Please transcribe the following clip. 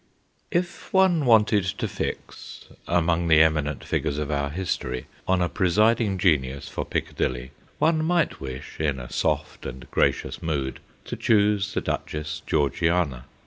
IF one wanted to fix, among the eminent figures of our history, on a presiding genius for Piccadilly, one might wish, in a soft and gracious mood, to choose the Duchess Georgiana.